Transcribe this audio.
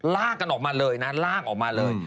ลากกันออกมาเลยนะลากออกมาเลย